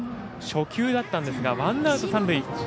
初球だったんですがワンアウト、三塁。